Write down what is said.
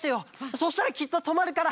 そしたらきっととまるから。